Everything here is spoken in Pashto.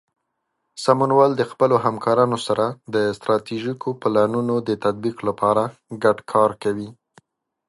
سمونمل د خپلو همکارانو سره د ستراتیژیکو پلانونو د تطبیق لپاره ګډ کار کوي.